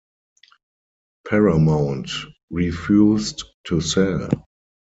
Paramount refused to sell.